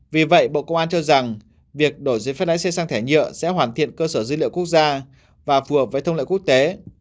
vì vậy bộ công an cho rằng việc đổi giấy phép lái xe sang thẻ nhựa sẽ hoàn thiện cơ sở dữ liệu quốc gia và phù hợp với thông lệ quốc tế